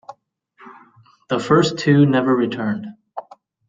The first two never returned.